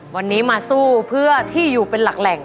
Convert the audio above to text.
วันนี้มาสู้เพื่อที่อยู่เป็นหลักแหล่ง